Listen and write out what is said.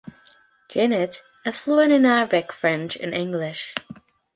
Djinnit is fluent in Arabic, French, and English.